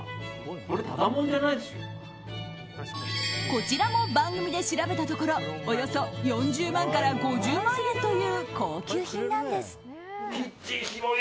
こちらも番組で調べたところおよそ４０万から５０万円という高級品なんです。